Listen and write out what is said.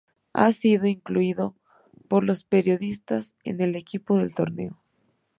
Ha sido incluido por los periodistas en el Equipo del Torneo.